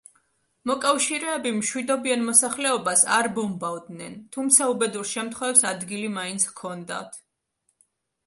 მოკავშირეები მშვიდობიან მოსახლეობას არ ბომბავდნენ, თუმცა უბედურ შემთხვევებს ადგილი მაინც ჰქონდათ.